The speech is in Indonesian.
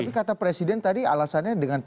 tapi kata presiden tadi alasannya dengan